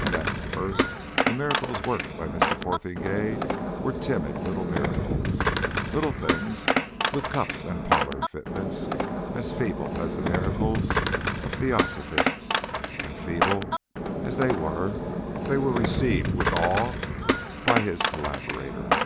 And at first the miracles worked by Mr. Fotheringay were timid little miracles little things with the cups and parlour fitments, as feeble as the miracles of Theosophists, and, feeble as they were, they were received with awe by his collaborator.